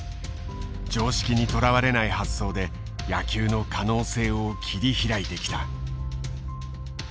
常識にとらわれない発想で野球の可能性を切り開いてきた。